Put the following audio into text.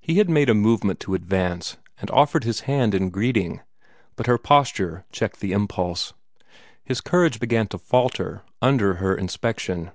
He had made a movement to advance, and offer his hand in greeting, but her posture checked the impulse. His courage began to falter under her inspection.